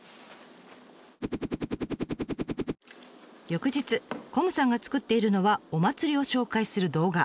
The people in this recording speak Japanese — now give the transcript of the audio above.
翌日こむさんが作っているのはお祭りを紹介する動画。